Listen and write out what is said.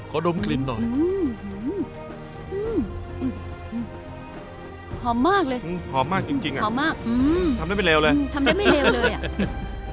หอมมากเลยหอมมากจริงอ่ะทำได้ไม่เร็วเลยอ่ะทำได้ไม่เร็วเลย